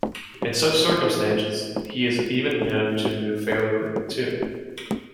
In such circumstances, he is even known to move fairly quickly too.